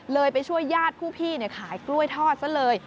ไปช่วยญาติผู้พี่ขายกล้วยทอดซะเลย